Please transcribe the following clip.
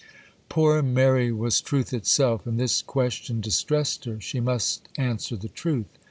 Poor Mary was truth itself, and this question distressed her; she must answer the truth.